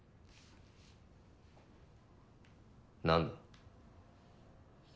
何だ？